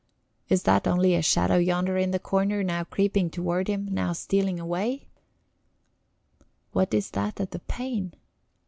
Is that only a shadow yonder in the corner, now creeping toward him, now stealing away? What is that at the pane?